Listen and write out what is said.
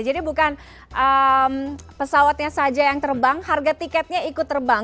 jadi bukan pesawatnya saja yang terbang harga tiketnya ikut terbang